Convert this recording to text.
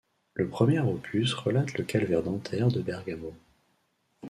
Le premier opus relate le calvaire dentaire de Bergamo.